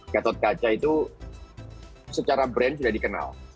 gatot kaca itu secara brand sudah dikenal